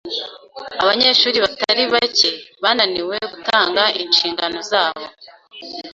Abanyeshuri batari bake bananiwe gutanga inshingano zabo.